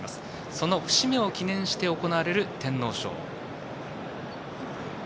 その節目を記念して行われる天皇賞。